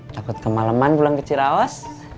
takut kemaleman pulang ke ciraos